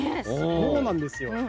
そうなんですよ。